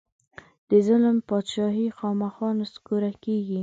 د ظلم بادچاهي خامخا نسکوره کېږي.